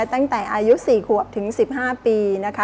ตั้งแต่อายุ๔ขวบถึง๑๕ปีนะคะ